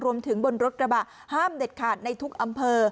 บนรถกระบะห้ามเด็ดขาดในทุกอำเภอ